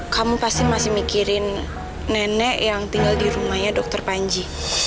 kamu pasti masih mikirin nenek yang tinggal di rumahnya dokter panji